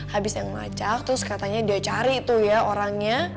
habis yang macak terus katanya dia cari tuh ya orangnya